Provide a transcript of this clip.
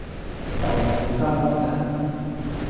豆腐渣工程